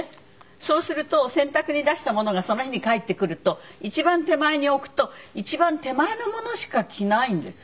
そうすると洗濯に出したものがその日に返ってくると一番手前に置くと一番手前のものしか着ないんです。